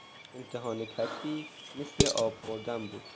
امتحان کتبی مثل آب خوردن بود.